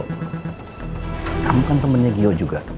kamu kan temennya gio juga